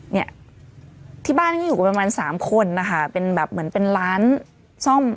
เนี่ยที่บ้านก็อยู่กันประมาณสามคนนะคะเป็นแบบเหมือนเป็นร้านซ่อม